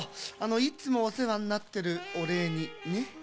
いつもおせわになってるおれいにねっ。